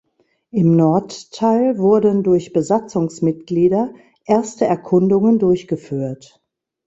Im Nordteil wurden durch Besatzungsmitglieder erste Erkundungen durchgeführt.